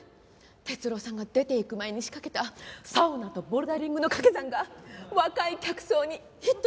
哲郎さんが出ていく前に仕掛けたサウナとボルダリングの掛け算が若い客層にヒットしてまして。